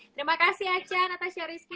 terima kasih acan natasha rizky